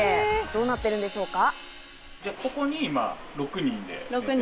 どうなっているんでしょうか？